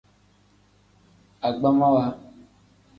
Agbamwa.